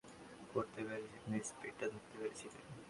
গানটি করতে গিয়ে কবিকে অনুভব করতে পেরেছি এবং স্পিডটা ধরতে পেরেছিলাম।